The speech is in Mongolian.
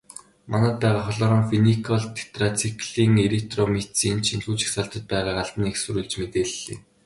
Манайд байгаа хлорамфеникол, тетрациклин, эритромицин ч энэхүү жагсаалтад байгааг албаны эх сурвалж мэдээллээ.